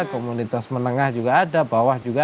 komunitas menengah juga ada bawah juga